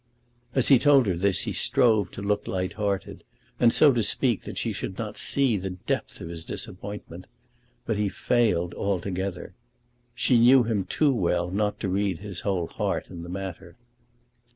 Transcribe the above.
As he told her this he strove to look light hearted, and so to speak that she should not see the depth of his disappointment; but he failed altogether. She knew him too well not to read his whole heart in the matter.